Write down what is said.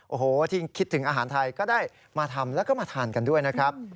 โอ้โหที่คิดถึงอาหารไทยก็ได้มาทำแล้วก็มาทานกันด้วยนะครับ